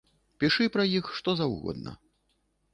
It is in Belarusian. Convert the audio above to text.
Пішы пра іх што заўгодна.